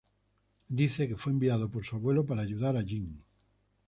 Dice que fue enviado por su abuelo para ayudar a Jin.